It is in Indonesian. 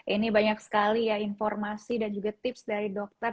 ini banyak sekali ya informasi dan juga tips dari dokter